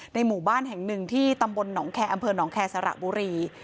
ในหมู่บ้านแห่งหนึ่งที่ตำบลอำเภอหนองแคร์สระบุรี